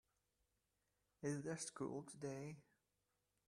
Is there school today?